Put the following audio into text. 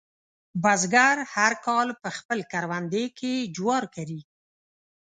بزګر هر کال په خپل کروندې کې جوار کري.